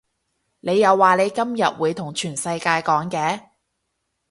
你又話你今日會同全世界講嘅